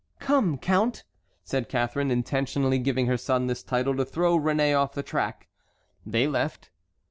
"Come, count," said Catharine, intentionally giving her son this title to throw Réné off the track. They left.